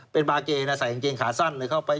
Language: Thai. เป็นบาร์เกนะใส่กางเกงขาสั้นเลยเข้าไป